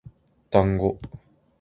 だんご